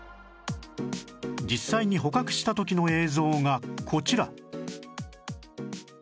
実際に捕獲した時の映像がこちら